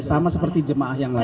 sama seperti jemaah yang lain